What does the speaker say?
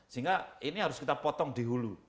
sehingga ini harus kita potong dihulu